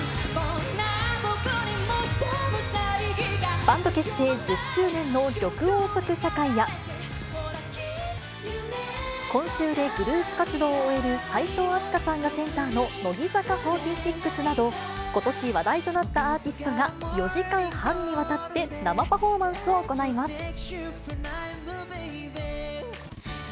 バンド結成１０周年の緑黄色社会や、今週でグループ活動を終える齋藤飛鳥さんがセンターの乃木坂４６など、ことし話題となったアーティストが、４時間半にわたって生パフォーマンスを行います。